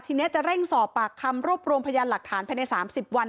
ทีนี้จะเร่งสอบปากคำรวบรวมพยานหลักฐานภายใน๓๐วัน